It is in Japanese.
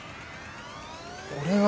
俺は。